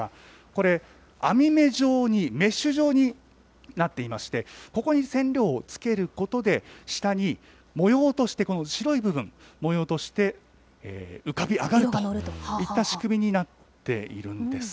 これ、編み目状に、メッシュ状になっていまして、ここに染料をつけることで、下に模様として、白い部分、模様として浮かび上がるといった仕組みになっているんです。